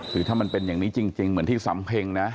คือถ้ามันเป็นอย่างนี้จริงเหมือนที่สำเพ็งนะ